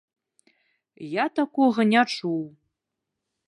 Я такога не чуў.